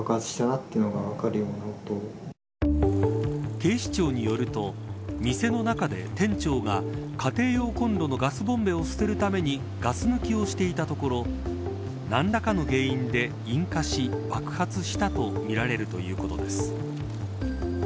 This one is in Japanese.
警視庁によると店の中で店長が家庭用コンロのガスボンベを捨てるためにガス抜きをしていたところ何らかの原因で引火し爆発したとみられるということです。